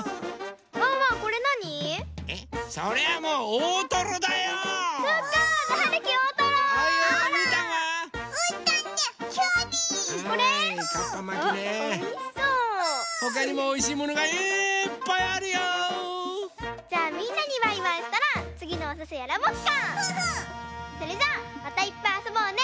それじゃあまたいっぱいあそぼうね！